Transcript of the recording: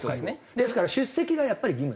ですから出席がやっぱり義務なんです。